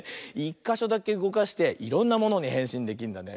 １かしょだけうごかしていろんなものにへんしんできるんだね。